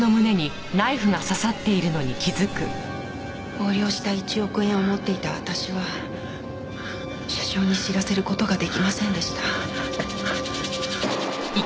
横領した１億円を持っていた私は車掌に知らせる事が出来ませんでした。